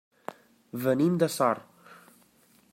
Venim de Sort.